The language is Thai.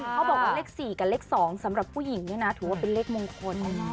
เขาบอกว่าเลข๔กับเลข๒สำหรับผู้หญิงเนี่ยนะถือว่าเป็นเลขมงคล